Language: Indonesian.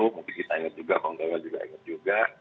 mungkin kita ingat juga kawan kawan juga ingat juga